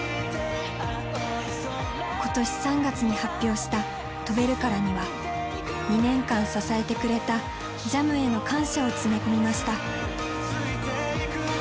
今年３月に発表した「飛べるから」には２年間支えてくれたＪＡＭへの感謝を詰め込みました。